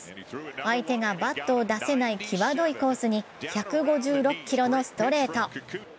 相手がバットを出せないきわどいコースに、１５６キロのストレート。